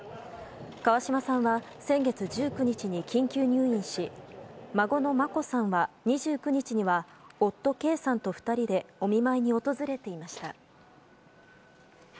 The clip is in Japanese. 川嶋さんは先月１９日に緊急入院し孫の眞子さんは１９日には夫・圭さんと２人でお見舞いに訪れていました。